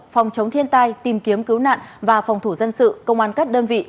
phòng chống thiên tai tìm kiếm cứu nạn và phòng thủ dân sự công an các đơn vị